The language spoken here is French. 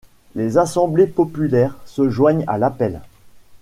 Les assemblées populaires se joignent à l’appel.